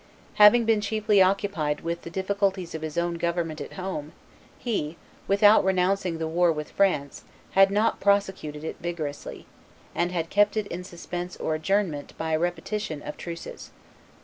Having been chiefly occupied with the difficulties of his own government at home, he, without renouncing the war with France, had not prosecuted it vigorously, and had kept it in suspense or adjournment by a repetition of truces.